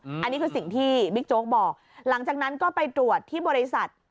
อันนี้คือสิ่งที่บิ๊กโจ๊กบอกหลังจากนั้นก็ไปตรวจที่บริษัท